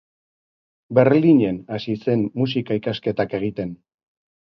Berlinen hasi zen musika-ikasketak egiten.